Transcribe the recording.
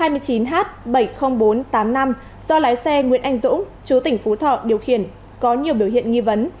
điện hát bảy mươi nghìn bốn trăm tám mươi năm do lái xe nguyễn anh dũng chú tỉnh phú thọ điều khiển có nhiều biểu hiện nghi vấn